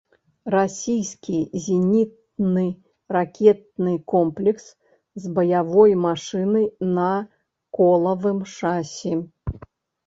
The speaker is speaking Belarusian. Расійскі зенітны ракетны комплекс з баявой машынай на колавым шасі.